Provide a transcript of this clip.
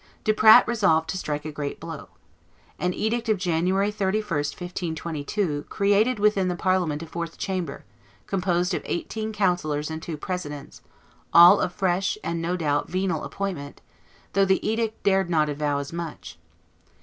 Duprat resolved to strike a great blow. An edict of January 31, 1522, created within the Parliament a fourth chamber, composed of eighteen councillors and two presidents, all of fresh, and, no doubt, venal appointment, though the edict dared not avow as much.